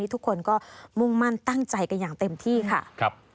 ทุกคนก็มุ่งมั่นตั้งใจกันอย่างเต็มที่ค่ะ